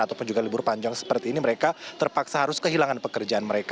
ataupun juga libur panjang seperti ini mereka terpaksa harus kehilangan pekerjaan mereka